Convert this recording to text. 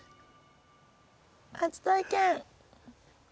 初体験。